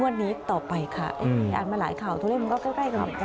วันนี้ต่อไปค่ะอ่านมาหลายข่าวตัวเลขมันก็ใกล้กันเหมือนกัน